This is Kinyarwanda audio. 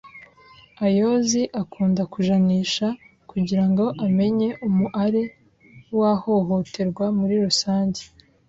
Ayoozi akunda kujanisha kugira ngo amenye umuare w’ahohoterwa muri rusange